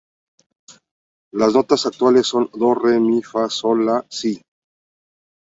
Las notas actuales son: "do, re, mi, fa, sol, la" y "si".